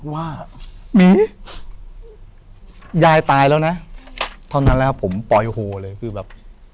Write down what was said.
ว่ามียายตายแล้วนะเท่านั้นแหละครับผมปล่อยโหเลยคือแบบ